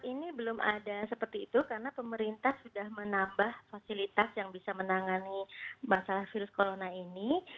ini belum ada seperti itu karena pemerintah sudah menambah fasilitas yang bisa menangani masalah virus corona ini